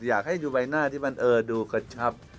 อยากให้ดูใบหน้าที่มันดูกระชับ